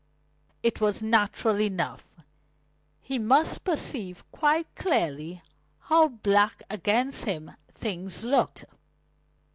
It was natural enough. He must perceive quite clearly how black against him things looked.